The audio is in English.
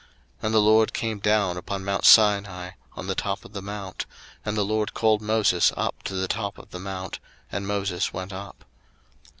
02:019:020 And the LORD came down upon mount Sinai, on the top of the mount: and the LORD called Moses up to the top of the mount; and Moses went up.